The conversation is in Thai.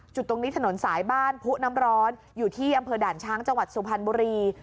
ตรงนี้ถนนสายบ้านผู้น้ำร้อนอยู่ที่อำเภอด่านช้างจังหวัดสุพรรณบุรี